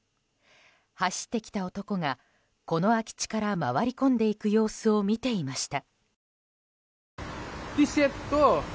走ってきた男がこの空き地から回り込んでいく様子を見ていました。